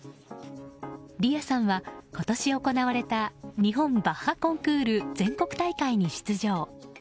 莉愛さんは、今年行われた日本バッハコンクール全国大会に出場。